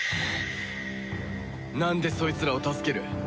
なんでそいつらを助ける？